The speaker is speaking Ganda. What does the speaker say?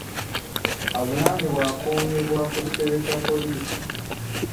Avunaanibwa akuumibwa ku kitebe kya poliisi.